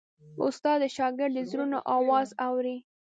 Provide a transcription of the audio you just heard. استاد د شاګرد د زړونو آواز اوري.